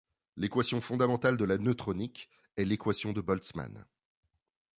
L'équation fondamentale de la neutronique est l'équation de Boltzmann.